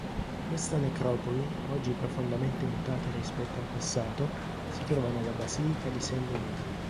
Questa necropoli, oggi profondamente mutata rispetto al passato, si trova nella basilica di Saint-Denis.